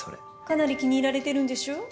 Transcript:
かなり気に入られてるんでしょう？